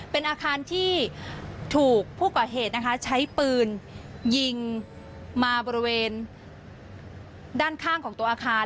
เป็นอาคารที่ถูกผู้ก่อเหตุนะคะใช้ปืนยิงมาบริเวณด้านข้างของตัวอาคาร